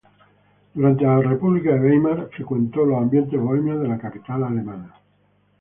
Durante la República de Weimar frecuentó los ambientes bohemios de la capital alemana.